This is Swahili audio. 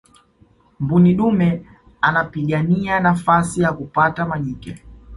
mbuni dume anapigania nafasi ya kupata majike